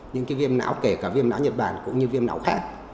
nhưng cái viêm não kể cả viêm não nhật bản cũng như viêm não khác